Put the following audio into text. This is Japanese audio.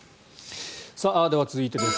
では、続いてです。